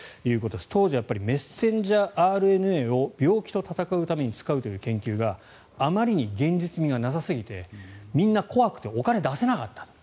当時はメッセンジャーＲＮＡを病気と闘うために使うという研究があまりに現実味がなさ過ぎてみんな怖くてお金を出せなかった。